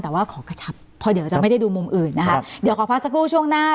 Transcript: แต่ว่าขอกระชับเพราะเดี๋ยวจะไม่ได้ดูมุมอื่นนะคะเดี๋ยวขอพักสักครู่ช่วงหน้า